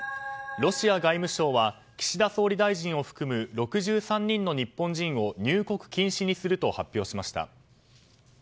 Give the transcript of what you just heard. ロシア外務省は岸田総理大臣を含む６３人の日本人を入国禁止にすると発表しました。